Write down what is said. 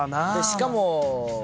しかも。